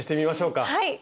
はい！